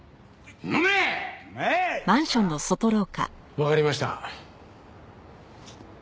わかりました。